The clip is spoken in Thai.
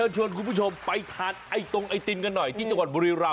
ชวนคุณผู้ชมไปทานไอ้ตรงไอติมกันหน่อยที่จังหวัดบุรีรำ